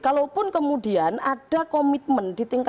kalaupun kemudian ada komitmen